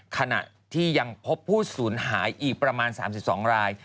ขณะที่ยังพบผู้สูญหายอีกประมาณ๓๒ราย